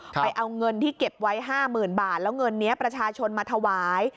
ไปเอาเงินที่เก็บไว้๕๐๐๐บาทแล้วเงินนี้ประชาชนมาถวาย